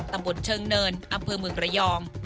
ตำบลเชิงเนินอำเภอเมืองระยอง